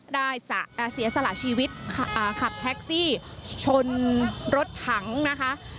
ได้เสียสละชีวิตขับแท็กซี่ชนรถถังนะคะ